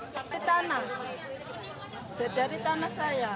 dari tanah dari tanah saya